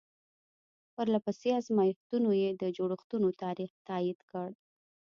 پرله پسې ازمایښتونو یې د جوړښتونو تاریخ تایید کړ.